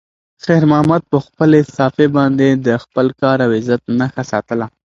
خیر محمد په خپلې صافې باندې د خپل کار او عزت نښه ساتله.